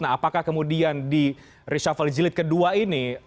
nah apakah kemudian di reshuffle jilid kedua ini